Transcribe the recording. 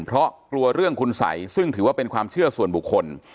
เพราะกลัวเรื่องคุณสัยซึ่งถือว่าเป็นความเชื่อส่วนบุคคล